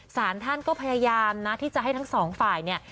สารท่านก็พยายามนะที่จะให้ทั้งสองฝ่ายเนี่ย